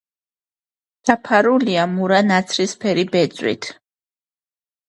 დაფარულია მურა ნაცრისფერი ბეწვით.